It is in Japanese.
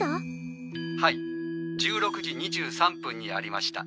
はい１６時２３分にありました。